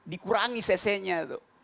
dikurangi cc nya